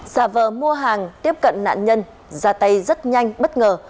giả vờ mua hàng tiếp cận nạn nhân ra tay rất nhanh bất ngờ